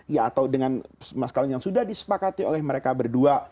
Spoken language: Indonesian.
ya atau dengan mas kawin yang sudah disepakati oleh mereka berdua